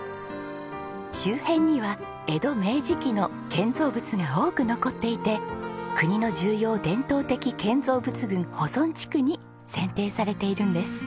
周辺には江戸・明治期の建造物が多く残っていて国の重要伝統的建造物群保存地区に選定されているんです。